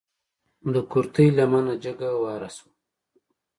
د کورتۍ لمنه جګه واره شوه.